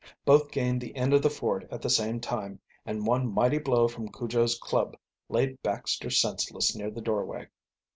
Both gained the end of the fort at the same time and one mighty blow from Cujo's club laid Baxter senseless near the doorway.